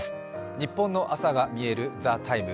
ニッポンの朝がみえる「ＴＨＥＴＩＭＥ，」。